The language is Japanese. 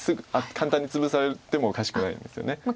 簡単にツブされてもおかしくないんですよね。